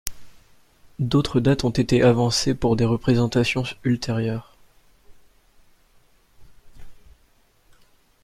D'autres dates ont été avancées pour des représentations ultérieures.